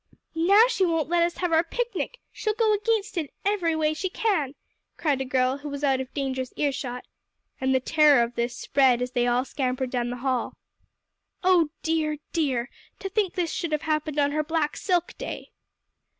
"Now she won't let us have our picnic; she'll go against it every way she can," cried a girl who was out of dangerous earshot. And the terror of this spread as they all scampered down the hall. "Oh dear, dear! to think this should have happened on her black silk day!"